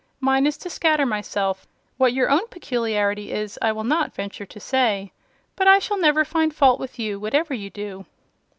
Mine is to scatter myself. What your own peculiarity is I will not venture to say; but I shall never find fault with you, whatever you do."